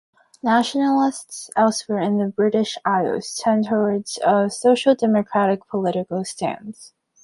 Nationalists elsewhere in the British Isles tend towards a social democratic political stance.